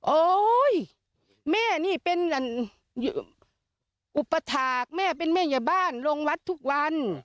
โอ๊ยแม่นี่เป็นอุปถาคแม่เป็นแม่ยาบ้านลงวัดทุกวัน